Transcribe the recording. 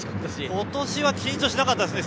今年は緊張じゃなかったですね